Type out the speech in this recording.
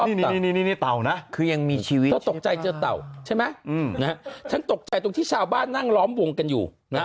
นี่เต่านะคือยังมีชีวิตเธอตกใจเจอเต่าใช่ไหมฉันตกใจตรงที่ชาวบ้านนั่งล้อมวงกันอยู่นะ